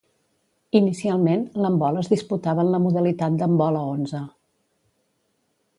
Inicialment l'handbol es disputava en la modalitat d'handbol a onze.